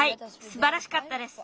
すばらしかったです。